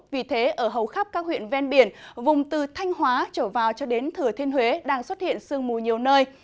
vì thế ở hầu khắp các huyện ven biển vùng từ thanh hóa trở vào cho đến thừa thiên huế đang xuất hiện sương mù nhiều nơi